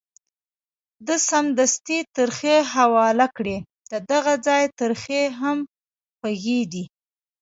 ده سمدستي ترخې حواله کړې، ددغه ځای ترخې هم خوږې دي.